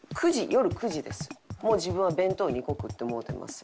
もう自分は弁当２個食ってもうてます。